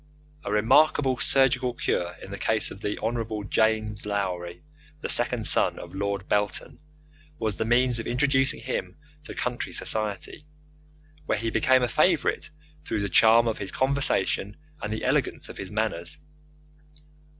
A remarkable surgical cure in the case of the Hon. James Lowry, the second son of Lord Belton, was the means of introducing him to county society, where he became a favourite through the charm of his conversation and the elegance of his manners.